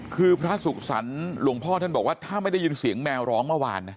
คือพระสุขสรรค์หลวงพ่อท่านบอกว่าถ้าไม่ได้ยินเสียงแมวร้องเมื่อวานนะ